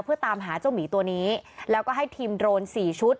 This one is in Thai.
เพื่อตามหาเจ้าหมีตัวนี้แล้วก็ให้ทีมโรนสี่ชุด